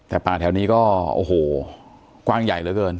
แต่ป่าแถวนี้ก็โอ้โหกว้างใหญ่เหลือเกิน